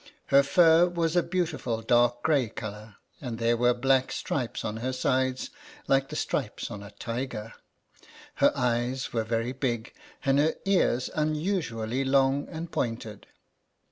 Her fur was a beautiful dark gray color, and there were black stripes on her sides, like the stripes on a tiger. Her eyes were very big, and her ears unusually long and pointed.